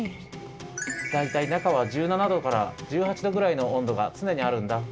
だいたい中は１７度から１８度ぐらいの温度がつねにあるんだ。